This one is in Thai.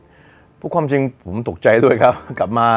เพราะความจริงผมตกใจด้วยครับ